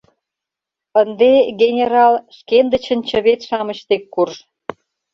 — Ынде, генерал, шкендычын чывет-шамыч дек курж...